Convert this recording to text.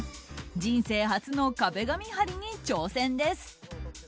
人生初の壁紙貼りに挑戦です。